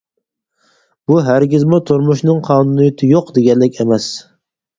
بۇ ھەرگىزمۇ تۇرمۇشنىڭ قانۇنىيىتى يوق دېگەنلىك ئەمەس.